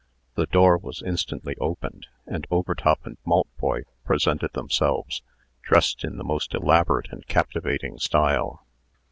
The door was instantly opened, and Overtop and Maltboy presented themselves, dressed in the most elaborate and captivating style.